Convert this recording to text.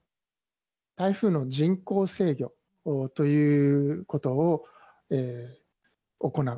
台風の人工制御ということを行う。